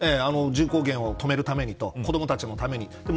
人口減を止めるために子どもたちのためにと。